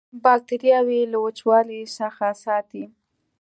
باکتریاوې له وچوالي څخه ساتي.